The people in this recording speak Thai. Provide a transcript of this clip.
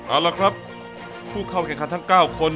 เอาละครับผู้เข้าแข่งขันทั้ง๙คน